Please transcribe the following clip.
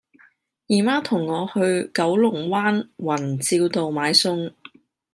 姨媽同我去九龍灣宏照道買餸